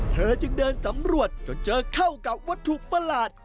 เธอจึงเดินสำรวจจนเจอเข้ากับวัตถุประหลาด